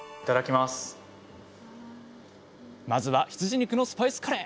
まずは羊肉のスパイスカレー！